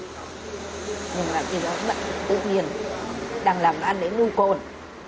nhưng mà khi đó tự nhiên đang làm anh ấy nu côn